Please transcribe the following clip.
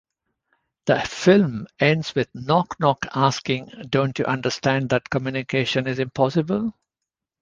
The film ends with Knock Knock asking Don't you understand that communication is impossible?